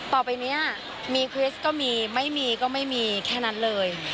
ต่อไปนี้มีคริสต์ก็มีไม่มีก็ไม่มีแค่นั้นเลย